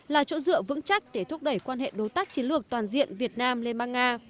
là chỗ dựa vững chắc để thúc đẩy quan hệ đối tác chiến lược toàn diện việt nam liên bang nga